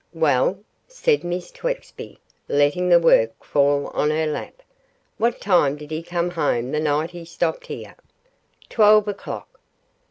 'Well?' said Miss Twexby, letting the work fall on her lap. 'What time did he come home the night he stopped here?' 'Twelve o'clock.